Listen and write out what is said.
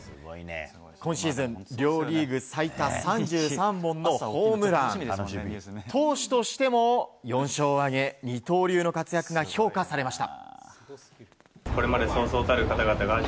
今シーズン両リーグ最多３３本のホームラン投手としても４勝を挙げ二刀流の活躍が評価されました。